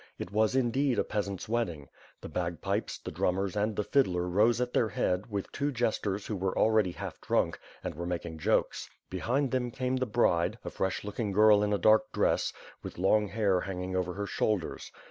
It was, indeed, a peasant's wedding. The bagpipes, the drummers and the fiddler rode at their head, with two jesters who were already half drunk, and were making jokes. Be hind them came the bride, a fresh looking girl in a dark dress, with long hair hanging over her shoulders.